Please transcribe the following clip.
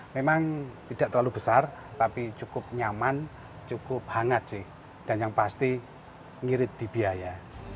memang tidak terlalu besar tapi cukup nyaman cukup hangat sih dan yang pasti ngirit di biaya